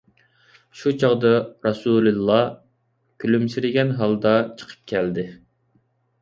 شۇ چاغدا رەسۇلىللا كۈلۈمسىرىگەن ھالدا چىقىپ كەلدى.